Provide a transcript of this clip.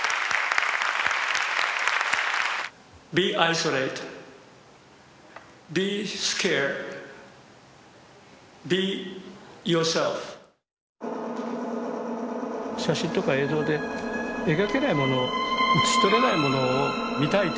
写真とか映像で描けないものうつし取れないものを見たいというか。